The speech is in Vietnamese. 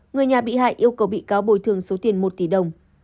người nhà bị hại yêu cầu bị cáo bồi thường số tiền một tỷ đồng